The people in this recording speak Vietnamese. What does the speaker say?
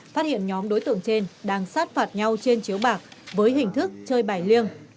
phát hiện nhóm đối tượng trên đang sát phạt nhau trên chiếu bạc với hình thức chơi bài liêng